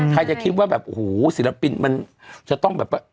ใครจะคิดว่าแบบโอ้โหศิลปินมันจะต้องแบบว่า